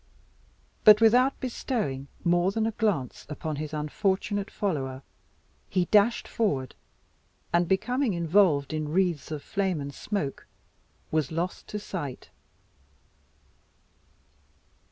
But without bestowing more than a glance upon his unfortunate follower, he dashed forward, and becoming involved in the wreaths of flame and smoke, was lost to sight.